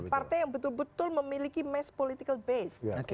partai yang betul betul memiliki mass political base